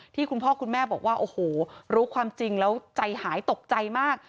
คุณพ่อคุณแม่บอกว่าโอ้โหรู้ความจริงแล้วใจหายตกใจมาก